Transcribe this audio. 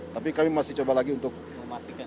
tapi kami masih coba lagi untuk memastikan